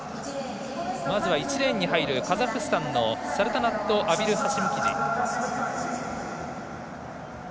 まず１レーンに入るカザフスタンのサルタナット・アビルハシムキジ。